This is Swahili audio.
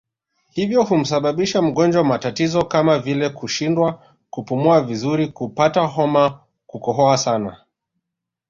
Hivyo humsababishia mgonjwa matatizo kama vile kushindwa kupumua vizuri kupata homa kukohoa sana